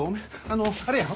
あのあれや。